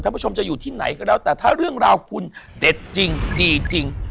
ผู้ชมจะอยู่ที่ไหนก็แล้วแต่ถ้าเรื่องราวคุณเด็ดจริงดีจริง